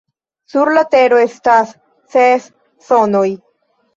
Sur la Tero estas ses Zonoj.